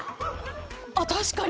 あ確かに。